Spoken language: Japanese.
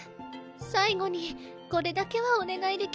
最後にこれだけはお願いできますか？